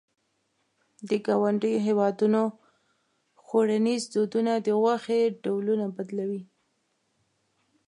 د ګاونډیو هېوادونو خوړنيز دودونه د غوښې ډولونه بدلوي.